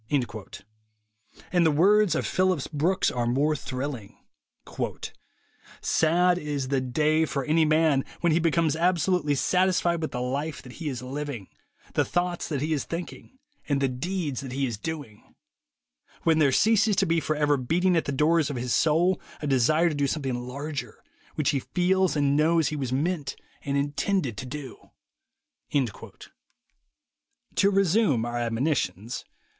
And the words of Phillips Brooks are more thrilling : "Sad is the day for any man when he becomes absolutely satisfied with the life that he is living, the thoughts that he is thinking and the deeds that he is doing; when there ceases to be forever beating at the doors of his soul a desire to do something larger, which he feels and knows he was meant and intended to do." To resume our admonitions.